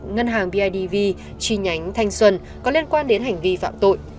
ngân hàng bidv chi nhánh thanh xuân có liên quan đến hành vi phạm tội